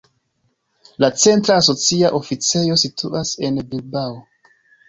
La centra asocia oficejo situas en Bilbao.